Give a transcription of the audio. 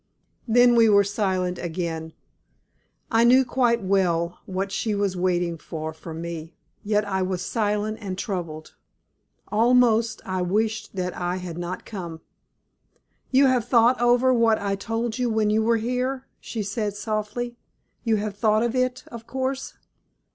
Then we were silent again. I knew quite well what she was waiting for from me, yet I was silent and troubled. Almost I wished that I had not come. "You have thought over what I told you when you were here," she said, softly. "You have thought of it, of course."